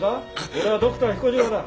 俺はドクター彦次郎だ。